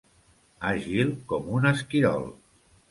Àgil com un esquirol.